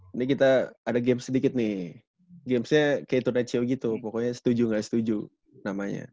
ini kita ada games sedikit nih gamesnya kayak tuna chow gitu pokoknya setuju nggak setuju namanya